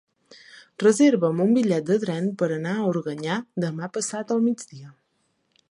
Reserva'm un bitllet de tren per anar a Organyà demà passat al migdia.